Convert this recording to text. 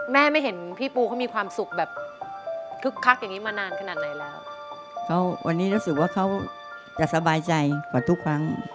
แม่ไม่เห็นพี่ปูเค้ามีความสุขแบบคึกคลักอย่างนี้มานานขนาดไหนแล้ว